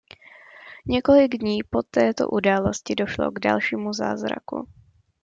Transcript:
Několik dní po této události došlo k dalšímu zázraku.